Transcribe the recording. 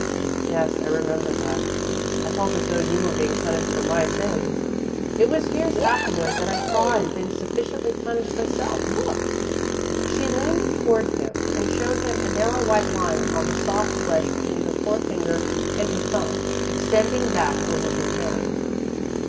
"Yes, I remember that. I felt as though you were being punished for my sins. It was years afterward that I saw I'd been sufficiently punished myself. Look!" She leaned toward him and showed him a narrow white line on the soft flesh between her forefinger and her thumb, extending back over her hand.